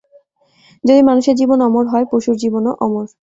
যদি মানুষের জীবন অমর হয়, পশুর জীবনও অমর।